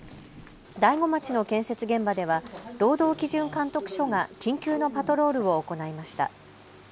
大子町の建設現場では労働基準監督署が緊急のパトロールを行いました。